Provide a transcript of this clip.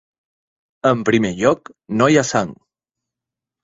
En primer lloc, no hi ha sang.